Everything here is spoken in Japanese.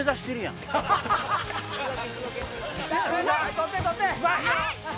取って取って！